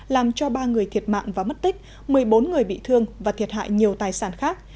làm cho ba người thiệt mạng và mất tích một mươi bốn người bị thương và thiệt hại nhiều tài sản khác